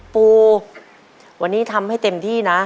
ปูวันนี้ทำให้เต็มที่นะ